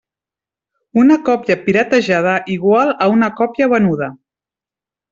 Una còpia “piratejada” igual a una còpia venuda.